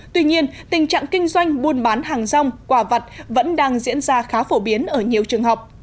tuy nhiên tình trạng kinh doanh buôn bán hàng rong quà vặt vẫn đang diễn ra khá phổ biến ở nhiều trường học